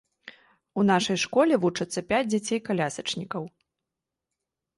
У нашай школе вучацца пяць дзяцей-калясачнікаў.